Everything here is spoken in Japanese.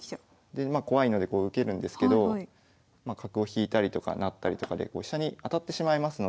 でまあ怖いので受けるんですけどまあ角を引いたりとか成ったりとかで飛車に当たってしまいますので。